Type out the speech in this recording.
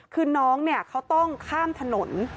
คือน้องเขาต้องข้ามถนน